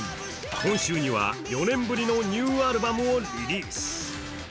今週には４年ぶりのニューアルバムをリリース。